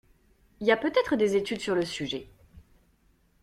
Y a peut-être des études sur le sujet.